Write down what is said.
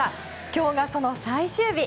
今日がその最終日。